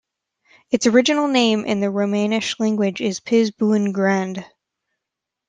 Its original name in the Romansh language is "Piz Buin Grand".